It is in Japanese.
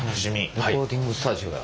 レコーディングスタジオや。